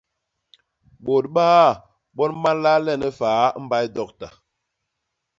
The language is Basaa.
Bôt baaa bon ba nlal len faa i mbay dokta.